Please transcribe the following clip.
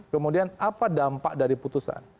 kemudian apa dampak dari putusan